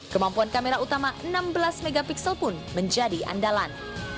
kemampuan kamera utama enam belas mp pun menjadi andalan